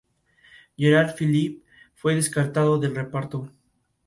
Incluye un adiestramiento quirúrgico básico.